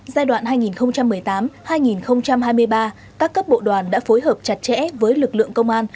giai đoạn hai nghìn một mươi tám hai nghìn hai mươi ba các cấp bộ đoàn đã phối hợp chặt chẽ với lực lượng công an